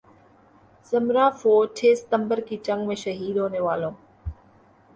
ذمرہ فوج چھ ستمبر کی جنگ میں شہید ہونے والوں